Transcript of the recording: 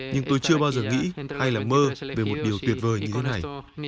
nhưng tôi chưa bao giờ nghĩ hay là mơ về một điều tuyệt vời như thế này